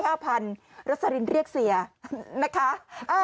แล้วสารินเรียกเสียนะคะ